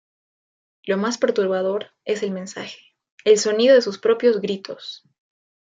Lo más perturbador es el mensaje: ¡el sonido de sus propios gritos!.